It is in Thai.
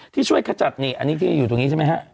ที่ช่วยขจัดนี่อันนี้อยู่ตรงนี้ใช่มั้ยครับ